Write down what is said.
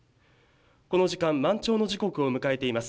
この時間満潮の時刻を迎えています。